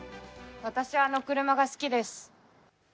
私はあの車が好きです。